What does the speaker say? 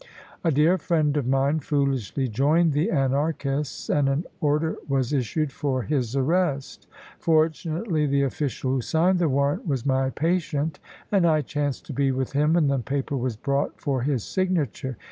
A dear friend of mine foolishly joined the Anarchists, and an order was issued for his arrest. Fortunately, the official who signed the warrant was my patient, and I chanced to be with him when the paper was brought for his signature.